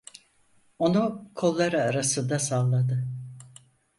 Onu kolları arasında salladı.